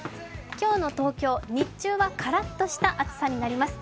今日の東京、日中はカラッとした暑さになります。